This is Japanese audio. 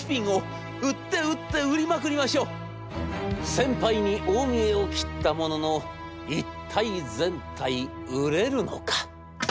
先輩に大見得を切ったものの一体全体売れるのか？